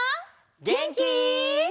げんき？